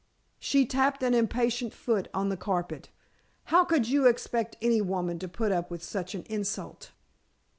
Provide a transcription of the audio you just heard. she tapped an impatient foot on the carpet. "How could you expect any woman to put up with such an insult?"